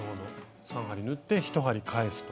３針縫って１針返すと。